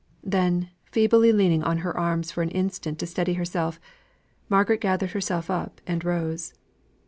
Then, feebly leaning on her arms for an instant to steady herself, Margaret gathered herself up, and rose.